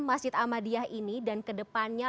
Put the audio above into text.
masjid ahmadiyah ini dan ke depannya